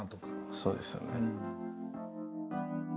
そうですよね。